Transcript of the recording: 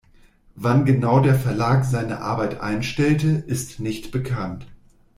Wann genau der Verlag seine Arbeit einstellte, ist nicht bekannt.